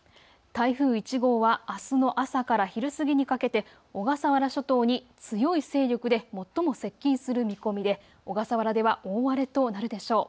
台風１号はあすの朝から昼過ぎにかけて小笠原諸島に強い勢力で最も接近する見込みで小笠原では大荒れとなるでしょう。